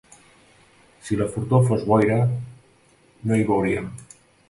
Si la fortor fos boira... no hi veuríem!